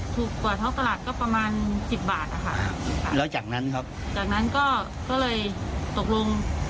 ถูกกว่าท้องตลาดก็ประมาณสิบบาทนะคะแล้วจากนั้นครับจากนั้นก็เลยตกลง